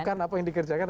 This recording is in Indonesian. bukan apa yang dikerjakan